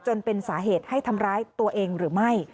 จนเป็นสาเหตุให้ทำร้ายตัวเองหรือไม่